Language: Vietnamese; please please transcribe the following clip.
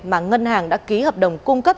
mà ngân hàng đã ký hợp đồng cung cấp